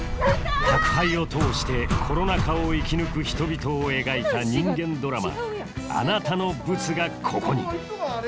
宅配を通してコロナ禍を生き抜く人々を描いた人間ドラマ「あなたのブツが、ここに」